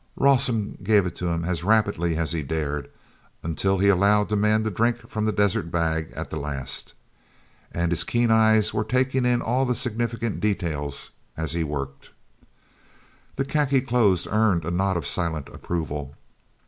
Rawson gave it to him as rapidly as he dared, until he allowed the man to drink from the desert bag at the last. And his keen eyes were taking in all the significant details as he worked. The khaki clothes earned a nod of silent approval.